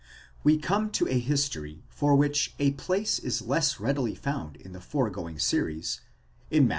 _We come to a history for which a place is less readily found in the fore going series, in Matt.